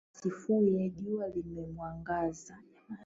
Asifuye jua limemwangaza